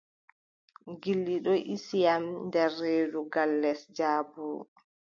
Gilɗi ɗon ɗisi yam nder reedu gal les jaabuuru.